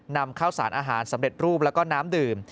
นำข้าวสารอาหารสำเร็จรูปแล้วก็น้ำดื่ม